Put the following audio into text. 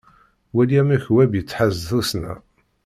Wali amek web yettḥaz tussna.